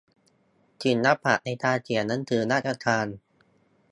ศิลปะในการเขียนหนังสือราชการ